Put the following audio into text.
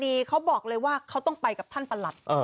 เขาบอกเลยว่าเขาต้องไปกับท่านประหลัด